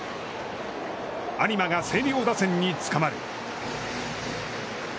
有馬が星稜打線につかまる。